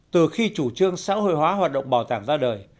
từ khi chủ trương xã hội hóa hoạt động bảo tàng ra đời